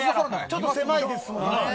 ちょっと狭いですもんね。